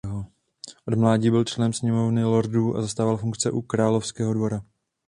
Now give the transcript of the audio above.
Od mládí byl členem Sněmovny lordů a zastával funkce u královského dvora.